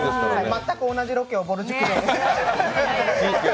全く同じロケをぼる塾で。